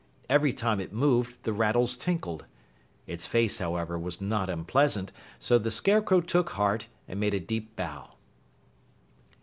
Every time it moved, the rattles tinkled. Its face, however, was not unpleasant, so the Scarecrow took heart and made a deep bow.